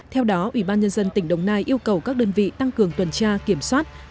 theo đó ubnd tỉnh đồng nai yêu cầu các đơn vị tăng cường tuần tra kiểm soát